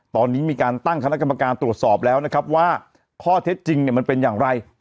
ตอนนี้มีการตั้งคณะกรรมการตรวจสอบแล้วนะครับว่าข้อเท็จจริงเนี่ยมันเป็นอย่างไร